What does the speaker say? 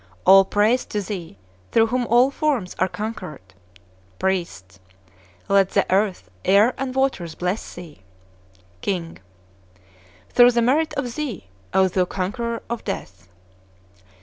All praise to Thee, through whom all forms are conquered! P. Let the earth, air, and waters bless thee! K. Through the merit of Thee, O thou conqueror of Death!